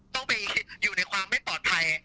ต้องไปอยู่ในความไม่ปลอดภัย